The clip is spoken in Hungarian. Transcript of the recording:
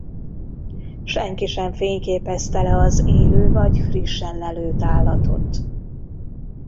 Senki sem fényképezte le az élő vagy frissen lelőtt állatot.